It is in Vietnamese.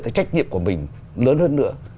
cái trách nhiệm của mình lớn hơn nữa